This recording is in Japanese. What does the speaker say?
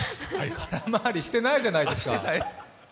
空回りしてないじゃないですか。